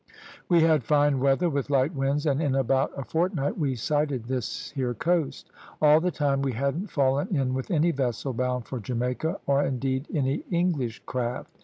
"We had fine weather, with light winds, and in about a fortnight we sighted this here coast. All the time we hadn't fallen in with any vessel bound for Jamaica, or indeed any English craft.